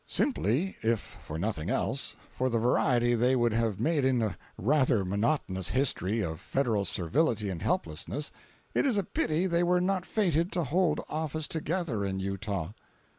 Simply (if for nothing else) for the variety they would have made in a rather monotonous history of Federal servility and helplessness, it is a pity they were not fated to hold office together in Utah.